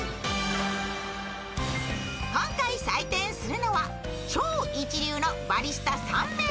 今回採点するのは、超一流のバリスタ３名。